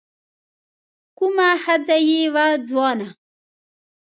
کومه ښځه يې وه ځوانه